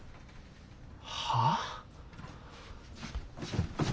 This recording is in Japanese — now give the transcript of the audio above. はあ？